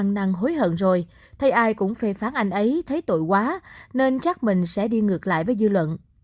anh tê đang hối hận rồi thấy ai cũng phê phán anh ấy thấy tội quá nên chắc mình sẽ đi ngược lại với dư luận